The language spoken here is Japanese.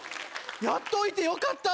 やっといてよかった。